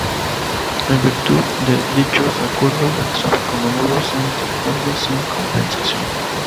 En virtud de dichos acuerdos, el tráfico a menudo se intercambia sin compensación.